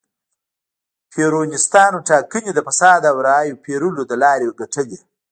پېرونیستانو ټاکنې د فساد او رایو پېرلو له لارې ګټلې.